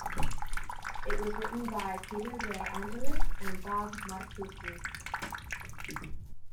It was written by Peter De Angelis and Bob Marcucci.